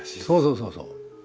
そうそうそうそう。